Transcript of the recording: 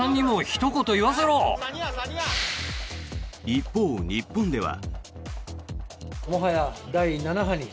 一方、日本では。